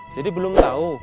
jadi belum tau